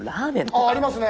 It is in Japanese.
あっありますね。